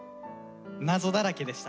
謎だらけでした。